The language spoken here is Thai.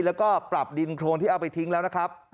แล้วก็ปรับดินโครนที่เอาไปทิ้งแล้วนะครับ